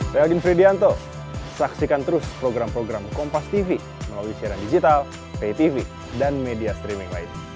saya alvin fridianto saksikan terus program program kompastv melalui siaran digital paytv dan media streaming lain